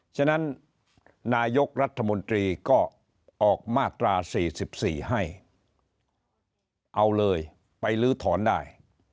ฉะนั้นนายกรัฐมนตรีก็ออกมาตรา๔๔ให้เอาเลยไปลื้อถอนได้